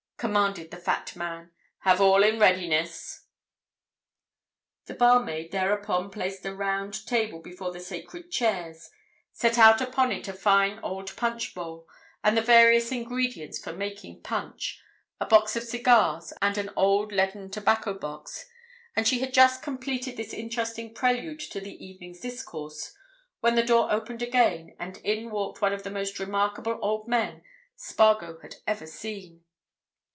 commanded the fat man. "Have all in readiness." The barmaid thereupon placed a round table before the sacred chairs, set out upon it a fine old punch bowl and the various ingredients for making punch, a box of cigars, and an old leaden tobacco box, and she had just completed this interesting prelude to the evening's discourse when the door opened again and in walked one of the most remarkable old men Spargo had ever seen.